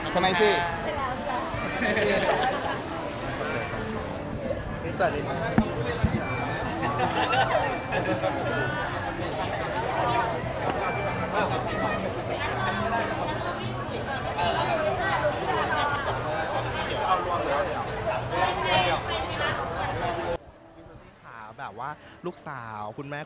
ใช่ร้านค่ะ